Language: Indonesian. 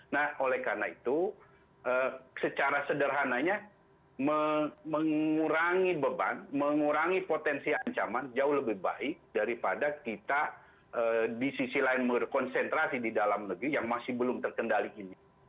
nah oleh karena itu secara sederhananya mengurangi beban mengurangi potensi ancaman jauh lebih baik daripada kita di sisi lain berkonsentrasi di dalam negeri yang masih belum terkendali ini